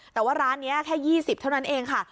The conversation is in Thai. แต่ว่าร้านเนี้ยแค่ยี่สิบเท่านั้นเองค่ะ